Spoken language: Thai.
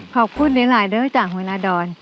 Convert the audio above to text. ขอบคุณหลายเรื่องจากหัวหน้าดอน